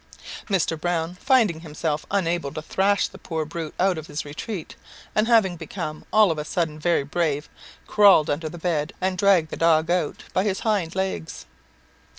Mr. Browne finding himself unable to thrash the poor brute out of his retreat, and having become all of a sudden very brave, crawled under the bed and dragged the dog out by his hind legs.